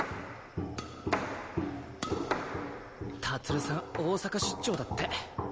建さん大阪出張だって。